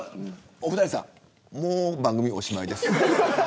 お二人さんもう番組おしまいです。